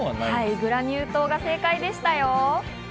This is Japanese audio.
グラニュー糖が正解でしたよ。